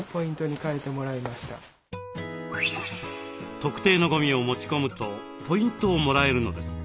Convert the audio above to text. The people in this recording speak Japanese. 特定のゴミを持ち込むとポイントをもらえるのです。